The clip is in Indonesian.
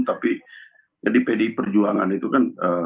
tapi jadi pdi perjuangan itu kan